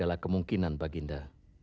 tidak ada kemungkinan baginda